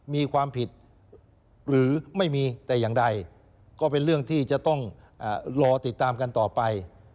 มีความผิดหรือไม่มีแต่อย่างใดก็เป็นเรื่องที่จะต้องรอติดตามกันต่อไป